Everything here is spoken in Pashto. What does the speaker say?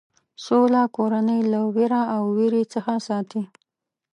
سوله کورنۍ له وېره او وېرې څخه ساتي.